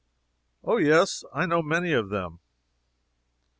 "Oh, yes, I know many of them."